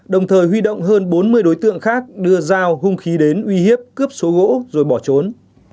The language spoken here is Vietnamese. đồng thời huy động hơn bốn mươi đối tượng khác đưa dao hung khí đến uy hiếp cướp số gỗ rồi bỏ trốn